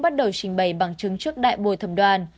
bắt đầu trình bày bằng chứng trước đại bồi thẩm đoàn